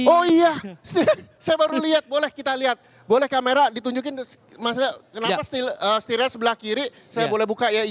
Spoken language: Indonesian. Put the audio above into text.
oh iya saya baru lihat boleh kita lihat boleh kamera ditunjukin kenapa setidaknya sebelah kiri saya boleh buka ya